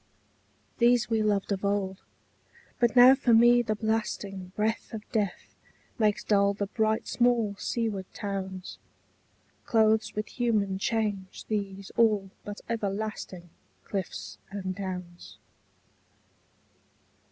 These we loved of old: but now for me the blasting Breath of death makes dull the bright small seaward towns, Clothes with human change these all but everlasting Cliffs and downs.